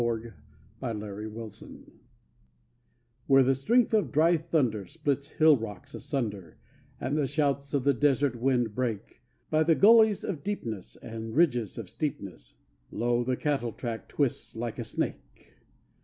On a Cattle Track Where the strength of dry thunder splits hill rocks asunder, And the shouts of the desert wind break, By the gullies of deepness and ridges of steepness, Lo, the cattle track twists like a snake!